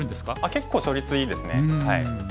結構勝率いいですね。